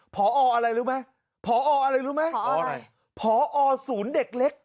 พออะไรรู้ไหมพออะไรรู้ไหมพอศูนย์เด็กเล็ก